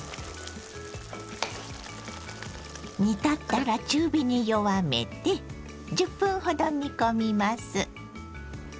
煮立ったら中火に弱めて１０分ほど煮込みます。